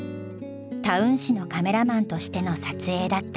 タウン誌のカメラマンとしての撮影だった。